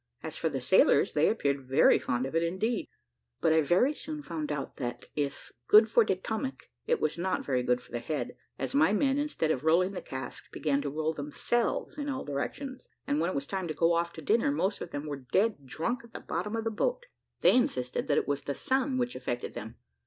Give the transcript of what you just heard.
As for the sailors, they appeared very fond of it indeed. But I very soon found that if good for de 'tomac, it was not very good for the head, as my men, instead of rolling the casks, began to roll themselves in all directions, and when it was time to go off to dinner, most of them were dead drunk at the bottom of the boat. They insisted that it was the sun which affected them.